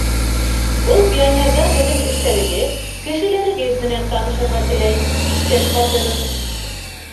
— Был пионерҙар һеҙҙең эштәрегеҙ, кешеләрегеҙ менән танышырға теләй, иптәш Батыров.